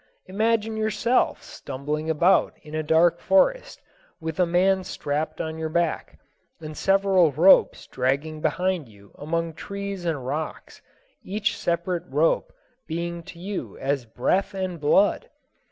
Imagine yourself stumbling about in a dark forest, with a man strapped on your back, and several ropes dragging behind you among trees and rocks, each separate rope being to you as breath and blood!